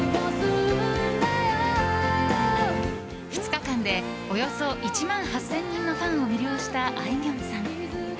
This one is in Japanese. ２日間でおよそ１万８０００人のファンを魅了したあいみょんさん。